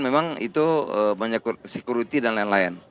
memang itu banyak security dan lain lain